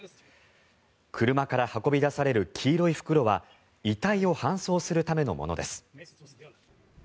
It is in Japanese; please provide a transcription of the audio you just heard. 車から運び出される黄色い袋は遺体を搬送するためのものです。